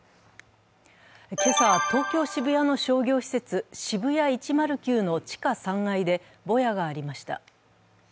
今朝、東京・渋谷区の商業施設、ＳＨＩＢＵＹＡ１０９の地下３階でぼやがありました。